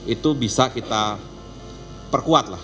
itu bisa kita perkuat lah